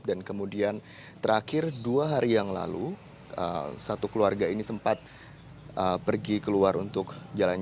dan kemudian terakhir dua hari yang lalu satu keluarga ini sempat pergi keluar untuk jalan